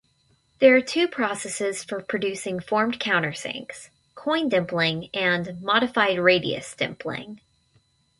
There are two processes for producing formed countersinks: "coin dimpling" and "modified radius dimpling".